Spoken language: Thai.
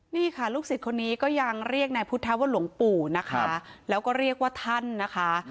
นี่ค่ะลูกศิษย์คนนี้ก็ยังเรียกนายพุทธว่าหลวงปู่นะคะแล้วก็เรียกว่าท่านนะคะ